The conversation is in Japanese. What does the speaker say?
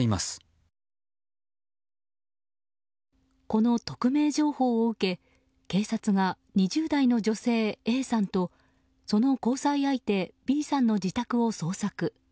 この匿名情報を受け警察が、２０代の女性Ａさんとその交際相手Ｂさんの自宅を捜索。